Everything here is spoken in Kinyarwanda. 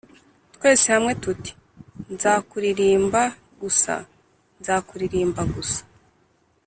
twese hamwe tuti :« nzakuririmba gusa, nzakuririmba gusa